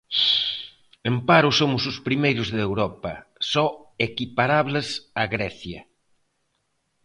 En paro somos os primeiros de Europa, só equiparables a Grecia.